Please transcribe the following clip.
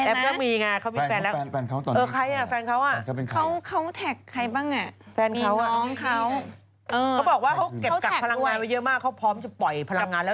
เอ้าเขาก็ชัดเจนนะแอปก็มีไงเขามีแฟนแล้ว